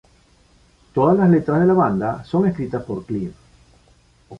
Todas las letras de la banda son escritas por Clive.